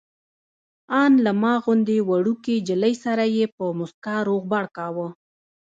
ان له ما غوندې وړوکې نجلۍ سره یې په موسکا روغبړ کاوه.